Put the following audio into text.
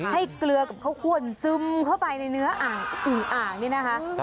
ให้เกลือกับข้าวคั่วอุ่นซึมเข้าไปในเนื้ออ่างอึ่งอ่างนี่นะคะ